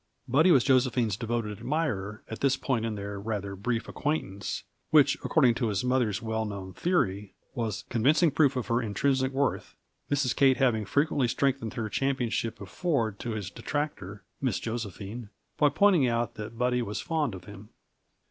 Buddy was Josephine's devoted admirer, at this point in their rather brief acquaintance; which, according to his mother's well known theory, was convincing proof of her intrinsic worth Mrs. Kate having frequently strengthened her championship of Ford to his detractor, Miss Josephine, by pointing out that Buddy was fond of him.